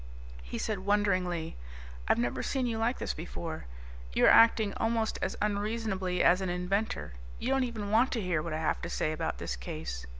He said wonderingly, "I've never seen you like this before. You are acting almost as unreasonably as an inventor. You don't even want to hear what I have to say about this case.